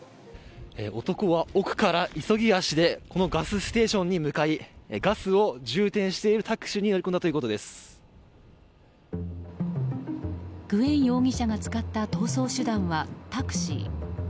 男は奥から急ぎ足でこのガスステーションに向かいガスを充填しているタクシーにグエン容疑者が使った逃走手段はタクシー。